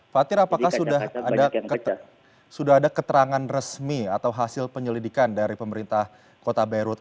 fatir apakah sudah ada keterangan resmi atau hasil penyelidikan dari pemerintah kota beirut